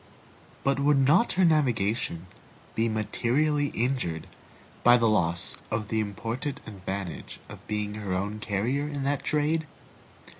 But would not her navigation be materially injured by the loss of the important advantage of being her own carrier in that trade?